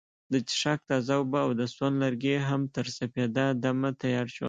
د څښاک تازه اوبه او د سون لرګي هم تر سپیده دمه تیار شول.